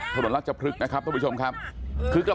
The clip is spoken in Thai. ต้นละจะพลึกนะครับคุณผู้ชมครับเพราะละเหมือนท่านเป็นเครื่องหน้า